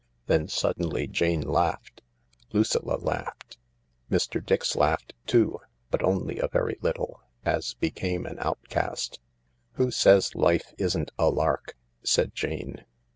Then suddenly Jane laughed, Lucilla laughed ; Mr. Dix laughed too, but only a very little— *s became an outcast. " Who says life isn't a lark? " said Jane.